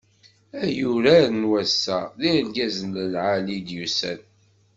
Ay urar n wass-a, d irgazen lɛali i d-yusan.